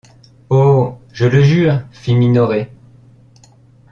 Oh ! je le jure, fit Minoret.